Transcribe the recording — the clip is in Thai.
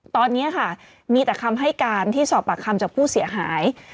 ตอนนี้ค่ะมีแต่คำให้การที่สอบปากคำจากผู้เสียหาย